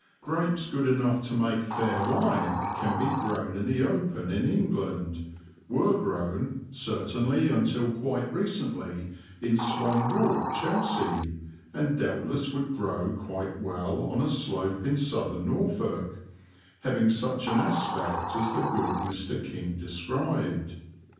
Grapes good enough to make fair wine can be grown in the open in England, were grown, certainly until quite recently, in Swan Walk, Chelsea, and doubtless would grow, quite well, on a slope in Southern Norfolk, having such an aspect as the good Mr. King described.